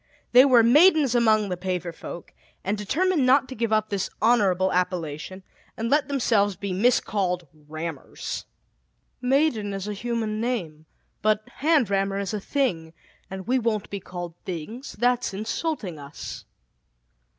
They were "maidens" among the paver folk, and determined not to give up this honorable appellation, and let themselves be miscalled "rammers. "Maiden is a human name, but hand rammer is a thing, and we won't be called things that's insulting us."